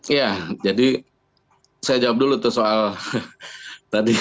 iya jadi saya jawab dulu tuh soal tadi